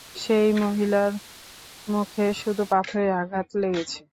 সেই মহিলার মুখে শুধু পাথরের আঘাত লেগেছে।